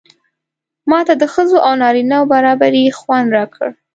ماته د ښځو او نارینه و برابري خوند راکړ.